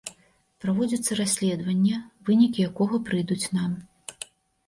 Праводзіцца расследаванне, вынікі якога прыйдуць нам.